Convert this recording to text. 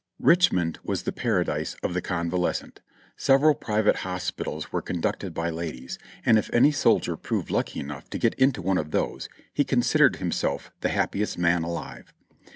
Richmond was the Paradise of the convalescent. Several private hospitals were conducted by ladies, and if any soldier proved lucky enough to get into one of those, he considered him self the happiest man alive.